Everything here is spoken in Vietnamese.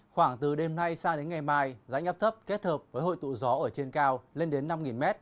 khoảng từ đêm nay sang đến ngày mai dãy ngắp thấp kết hợp với hội tụ gió ở trên cao lên đến năm m